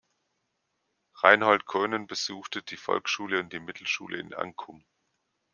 Reinhold Coenen besuchte die Volksschule und die Mittelschule in Ankum.